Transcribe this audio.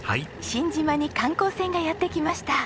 新島に観光船がやって来ました。